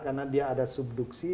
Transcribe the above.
karena dia ada subduksi